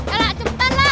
elah cepetan lah